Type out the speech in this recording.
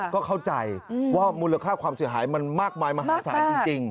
ก็เข้าใจว่ามูลค่าความเสียหายมันมากมายมหาศาลจริง